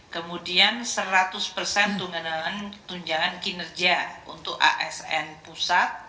kemudian seratus persen tunjangan kinerja untuk asn pusat